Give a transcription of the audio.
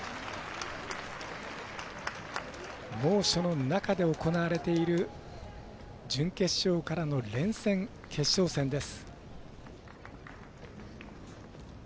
猛暑の中で行われている準決勝からの連戦、決勝戦です。